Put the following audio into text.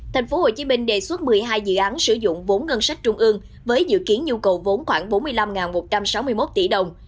tp hcm đề xuất một mươi hai dự án sử dụng vốn ngân sách trung ương với dự kiến nhu cầu vốn khoảng bốn mươi năm một trăm sáu mươi một tỷ đồng